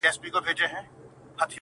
ژورنالیزم د باور غوښتنه کوي